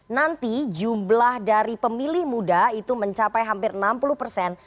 nanti jumlah dari pemilih muda itu mencapai hampir enam puluh persen